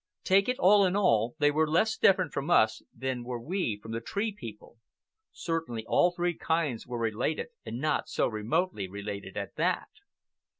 Take it all in all, they were less different from us than were we from the Tree People. Certainly, all three kinds were related, and not so remotely related at that.